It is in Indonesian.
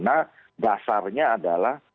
nah dasarnya adalah